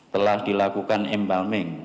telah dilakukan embalming